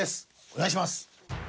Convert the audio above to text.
お願いします。